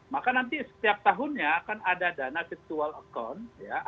maka nanti setiap tahunnya akan ada dana virtual account